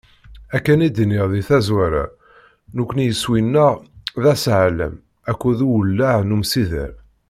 Akken i d-nniɣ di tazwara, nekni iswi-nneɣ d aseɛlem akked uwellah n umsider.